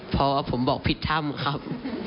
เพราะว่าผมบอกผิดถ้ำครับ